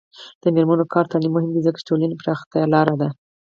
د میرمنو کار او تعلیم مهم دی ځکه چې ټولنې پراختیا لاره ده.